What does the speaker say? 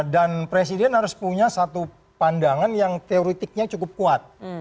dan presiden harus punya satu pandangan yang teoretiknya cukup kuat